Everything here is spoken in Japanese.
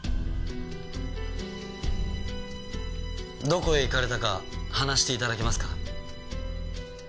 どこへ行かれたか話して頂けますか？